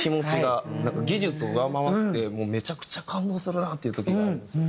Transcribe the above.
なんか技術を上回ってもうめちゃくちゃ感動するなっていう時があるんですよ。